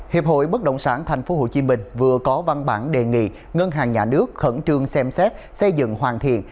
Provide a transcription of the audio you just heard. hiệp hội bất động sản tp hcm vừa có văn bản đề nghị ngân hàng nhà nước khẩn trương xem xét xây dựng hoàn thiện